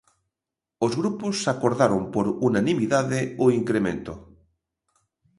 Os grupos acordaron por unanimidade o incremento.